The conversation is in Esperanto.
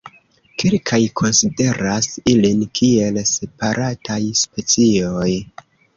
Kelkaj konsideras ilin kiel separataj specioj.